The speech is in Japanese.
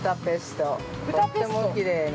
とてもきれいな。